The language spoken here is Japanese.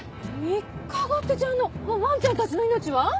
３日後ってじゃあわんちゃんたちの命は？